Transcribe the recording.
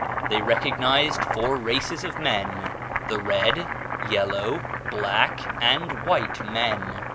They recognized four races of men the red, yellow, black, and white men.